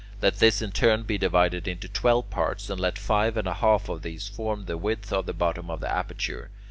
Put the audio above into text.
Let this in turn be divided into twelve parts, and let five and a half of these form the width of the bottom of the aperture.